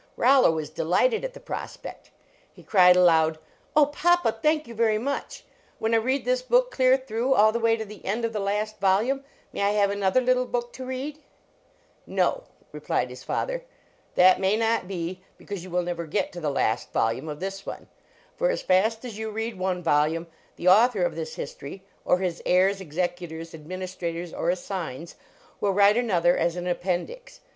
Rollo was delighted at the prospect. He cried aloud : Oh, papa ! thank you very much. When I read this book clear through, all the way to the end of the last volume, may I have an other little book to read ?"" No," replied his father, " that may not be; because you will never get to the last volume of this one. For as fast as you read one volume, the author of this history, or his heirs, executors, administrators, or assigns, will write another as an appendix.